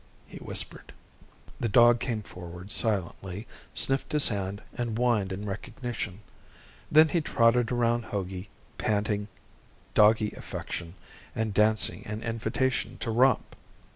he whispered. The dog came forward silently, sniffed his hand, and whined in recognition. Then he trotted around Hogey, panting doggy affection and dancing an invitation to romp.